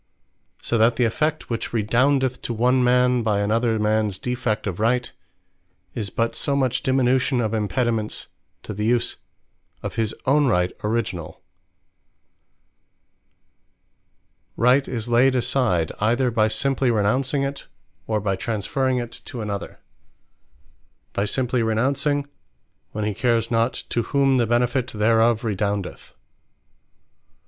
So that the effect which redoundeth to one man, by another mans defect of Right, is but so much diminution of impediments to the use of his own Right originall. Renouncing (or) Transferring Right What; Obligation Duty Justice Right is layd aside, either by simply Renouncing it; or by Transferring it to another. By Simply RENOUNCING; when he cares not to whom the benefit thereof redoundeth.